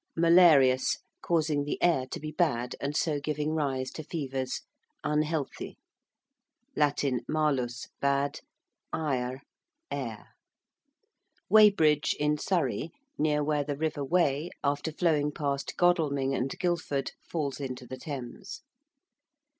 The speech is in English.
~Malarious~: causing the air to be bad, and so giving rise to fevers; unhealthy. (Latin malus, bad; aer, air.) ~Weybridge~, in Surrey, near where the river Wey, after flowing past Godalming and Guildford, falls into the Thames.